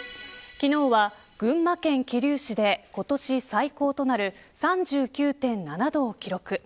昨日は群馬県桐生市で今年最高となる３９．７度を記録。